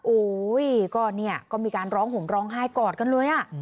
โอ้ยก็เนี่ยก็มีการร้องห่มร้องไห้กอดกันเลยอ่ะ